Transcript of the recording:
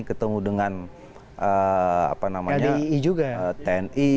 ketemu dengan tni